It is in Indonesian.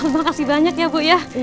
makasih banyak ya bu ya